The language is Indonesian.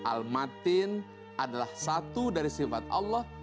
al matin adalah satu dari sifat allah